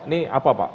ini apa pak